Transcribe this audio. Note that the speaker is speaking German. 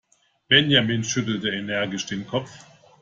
Benjamin schüttelte energisch den Kopf.